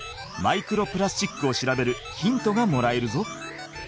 マイクロプラスチックを調べるヒントがもらえるぞ！